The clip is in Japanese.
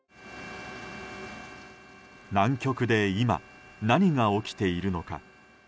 南極で今何が起きているのか。